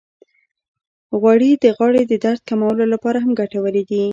غوړې د غاړې د درد کمولو لپاره هم ګټورې دي.